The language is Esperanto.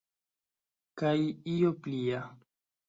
Kaj io plia.